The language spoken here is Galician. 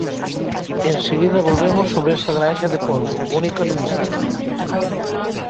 Enseguida volvemos sobre esa granxa de polbo, única no mundo.